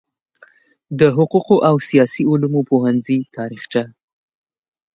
د حقوقو او سیاسي علومو پوهنځي تاریخچه